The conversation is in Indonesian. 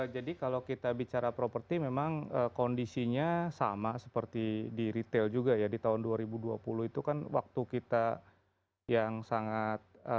jadi kalau kita bicara properti memang kondisinya sama seperti di retail juga ya di tahun dua ribu dua puluh itu kan waktu kita yang sangat luar biasa struggling